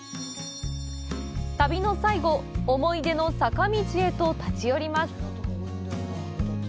旅の最後思い出の坂道へと立ち寄ります。